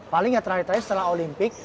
paling ya terakhir terakhir setelah olimpik